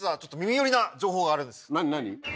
何何？